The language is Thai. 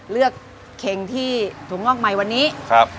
เลือกเข่งที่ถุงอกใหม่วันนี้ครับ